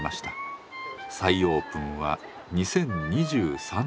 再オープンは２０２３年。